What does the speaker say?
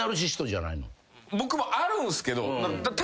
僕もあるんすけど。